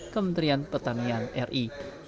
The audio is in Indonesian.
kementerian pertanian ri